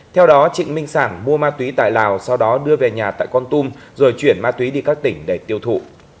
theo đó trịnh minh sản mua ma túy tại lào sau đó đưa về nhà tại con tum rồi chuyển ma túy đi các tỉnh để tiêu thụ